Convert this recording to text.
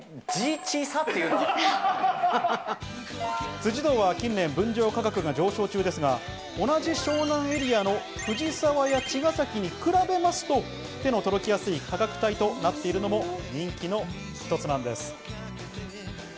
辻堂は近年、分譲価格が上昇中ですが、同じ湘南エリアの藤沢や茅ヶ崎に比べますと、手の届きやすい価格帯となっているのも人気の一つなんです。